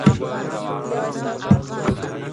ماشومانو ته د نورو د حقونو درناوی وښایئ.